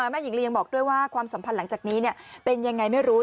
แม่หญิงลียังบอกด้วยว่าความสัมพันธ์หลังจากนี้เป็นยังไงไม่รู้